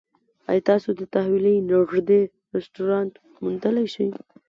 ایا تاسو د تحویلۍ نږدې رستورانت موندلی شئ؟